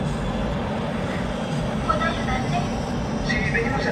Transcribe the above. Actualmente se conserva parcialmente.